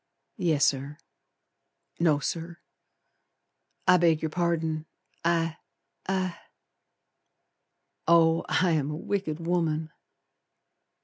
Yes, Sir. No, Sir. I beg your pardon, I I Oh, I'm a wicked woman!